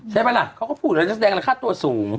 ใช่ป่ะล่ะเขาก็พูดแสดงอะไรค่าตัวสูง